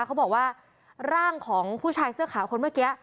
เขาบอกว่าร่างของผู้ชายเสื้อขาวคนเมื่อกี้